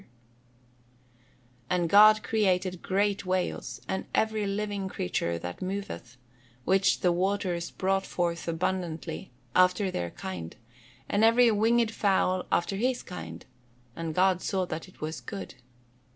[Verse: "And God created great whales, and every living creature that moveth, which the waters brought forth abundantly, after their kind, and every winged fowl after his kind: and God saw that it was good."